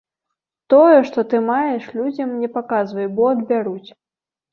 Тое, што ты маеш, людзям не паказвай, бо адбяруць.